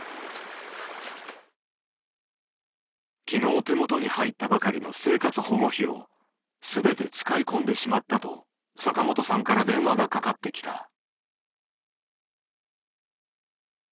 きのう手元に入ったばかりの生活保護費を全て使い込んでしまったと坂本さんから電話がかかってきた。